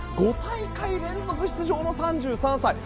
５大会連続出場の３３歳。